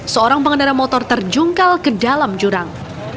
seorang pengendara motor terjungkal ke dalam jurang